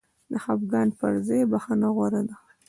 د خفګان پر ځای بخښنه غوره ده.